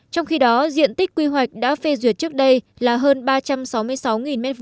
trong khi đó diện tích quy hoạch đã phê duyệt trước đây là hơn ba trăm sáu mươi sáu m hai